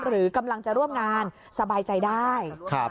หรือกำลังจะร่วมงานสบายใจได้